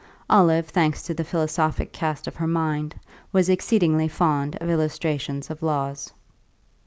Olive, thanks to the philosophic cast of her mind, was exceedingly fond of illustrations of laws.